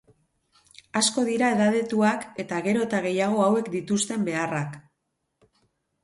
Asko dira edadetuak eta gero eta gehiago hauek dituzten beharrak.